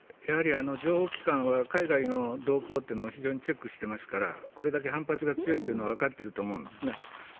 やはり情報機関は海外の動向を非常にチェックしていますからこれだけ反発が強いというのは分かっていると思うんですね。